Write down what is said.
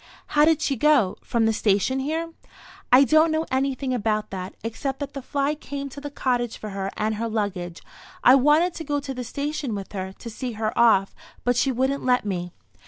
"How did she go? From the station here?" "I don't know anything about that, except that the fly came to the cottage for her and her luggage. I wanted to go to the station with her, to see her off, but she wouldn't let me."